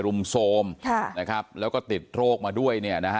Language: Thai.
รุ่มโซมแล้วก็ติดโรคมาด้วย